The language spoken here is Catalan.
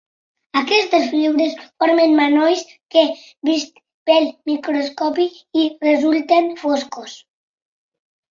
Aquestes fibres formen manolls que vists pel microscopi resulten foscos.